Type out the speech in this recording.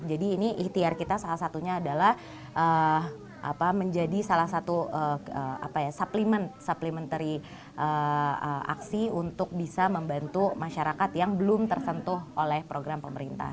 jadi ini ikhtiar kita salah satunya adalah menjadi salah satu supplementary aksi untuk bisa membantu masyarakat yang belum tersentuh oleh program pemerintah